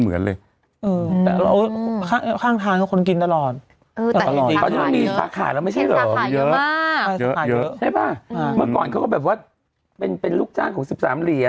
เมื่อก่อนเขาก็แบบว่าเป็นเป็นลูกจ้านของสิบสามเหรียญ